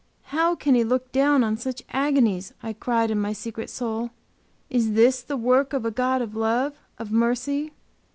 "How can He look down on such agonies?" I cried in my secret soul; "is this the work of a God of love, of mercy?"